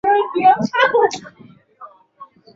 tume ya uchaguzi imetangaza matokeo rasmi